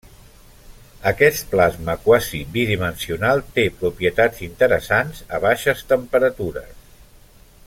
Aquest plasma quasi bidimensional té propietats interessants a baixes temperatures.